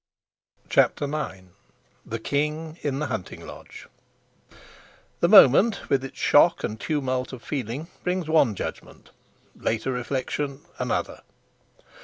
CHAPTER IX. THE KING IN THE HUNTING LODGE THE moment with its shock and tumult of feeling brings one judgment, later reflection another.